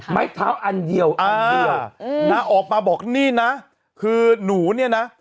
ไม้เท้าอันเดียวอันเดียวนะออกมาบอกนี่นะคือหนูเนี่ยนะ